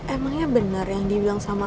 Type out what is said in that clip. emangnya benar yang dibilang sama